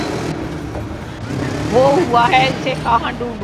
وہ ہوا ہے اسے کہاں ڈھونڈوں